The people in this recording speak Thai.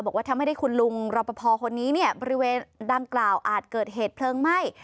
บอกว่าทำให้ได้คุณลุงรอปภคนนี้เนี่ยบริเวณดังกล่าวอาจเกิดเหตุเพลิงไหม้